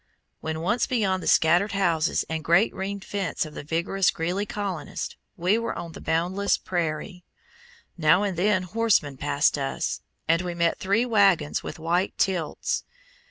When once beyond the scattered houses and great ring fence of the vigorous Greeley colonists, we were on the boundless prairie. Now and then horsemen passed us, and we met three wagons with white tilts.